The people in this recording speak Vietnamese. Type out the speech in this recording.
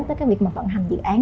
tới việc vận hành dự án